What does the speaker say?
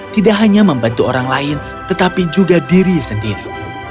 tidak hanya membantu orang lain tetapi juga diri sendiri